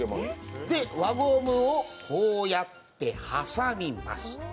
輪ゴムをこうやって挟みます。